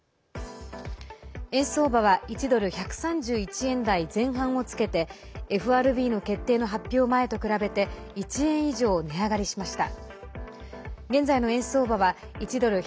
円相場は１ドル＝１３１円台前半をつけてＦＲＢの決定の発表前と比べて１円以上、値上がりしました。